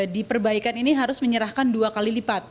di perbaikan ini harus menyerahkan dua kali lipat